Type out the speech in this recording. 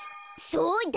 そうだ！